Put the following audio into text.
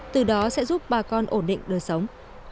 từ đó sẽ giúp bà con ổn định đời sống